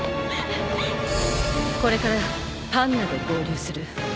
これからパンナと合流する